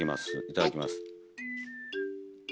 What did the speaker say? いただきます。